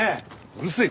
うるせえ。